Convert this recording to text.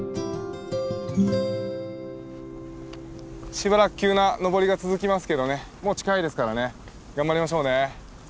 しばらく急な登りが続きますけどねもう近いですからね頑張りましょうね。